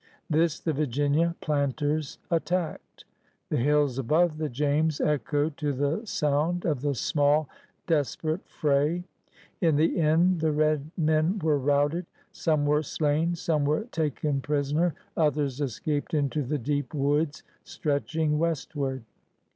This the Virginia planters attacked. The hills above the James echoed to the sound of the small, desperate fray. In the end the red men were routed. Some were slain; some were taken prisoner; others escaped into the deep woods stretching westward.